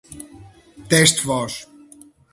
teste voz